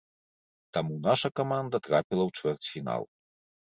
Таму наша каманда трапіла ў чвэрцьфінал.